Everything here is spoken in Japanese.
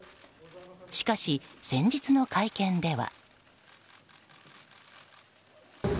しかし、先日の会見では。